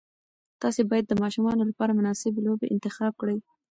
تاسي باید د ماشومانو لپاره مناسب لوبې انتخاب کړئ.